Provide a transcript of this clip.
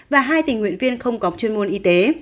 và hai tình nguyện viên không có chuyên môn y tế